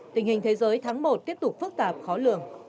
tình hình thế giới tháng một tiếp tục phức tạp khó lường